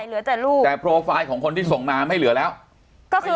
เหลือแต่ลูกแต่โปรไฟล์ของคนที่ส่งมาไม่เหลือแล้วก็คือ